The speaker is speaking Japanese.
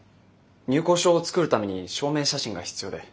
入構証を作るために証明写真が必要で。